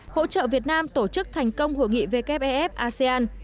hỗ trợ việt nam tổ chức thành công hội nghị wef asean